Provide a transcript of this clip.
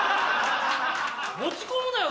持ち込むなよ